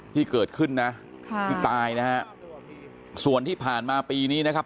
ที่เกิดขึ้นนะค่ะที่ตายนะฮะส่วนที่ผ่านมาปีนี้นะครับ